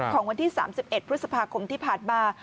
ของวันที่๓๑พฤษภาคมที่ผ่านมา